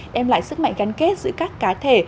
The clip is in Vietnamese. đem lại sức mạnh gắn kết giữa các cá thể